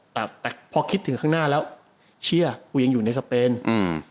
แต่แต่พอคิดถึงข้างหน้าแล้วเชียร์กูยังอยู่ในสเปนอืม